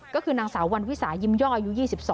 ก็คือนางสาววันวิสายยิ้มย่ออายุ๒๒